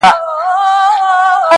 د څه ووايم؟ سرې تبې نيولی پروت دی